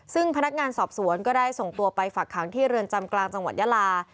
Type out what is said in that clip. ซึ่งพนักงานสอบสวนก็ได้ส่งตัวไปฝักขังที่เรือนจำกลางจังหวัดยาลา